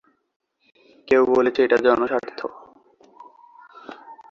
কেউ বলেছে এটা জনস্বার্থ।